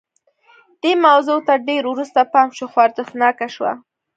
دې موضوع ته ډېر وروسته پام شو خو ارزښتناکه شوه